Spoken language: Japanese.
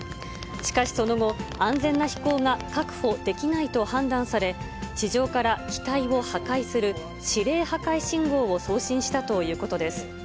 しかしその後、安全な飛行が確保できないと判断され、地上から機体を破壊する、指令破壊信号を送信したということです。